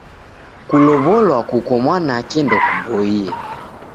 Kulow'olwa kuko mwanake ndokuboie!